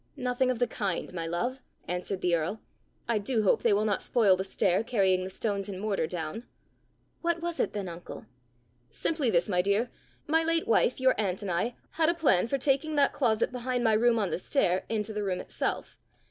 "Nothing of the kind, my love," answered the earl. " I do hope they will not spoil the stair carrying the stones and mortar down!" "What was it then, uncle?" "Simply this, my dear: my late wife, your aunt, and I, had a plan for taking that closet behind my room on the stair into the room itself.